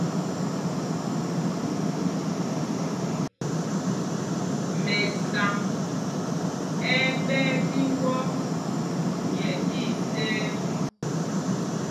Mɛsaŋ ɛ́ ɛ́ ɓɛɛ tí mbɔ nyɛ tí isɛɛ.